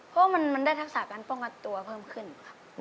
เพราะว่ามันได้ทักษะการป้องกันตัวเพิ่มขึ้นค่ะ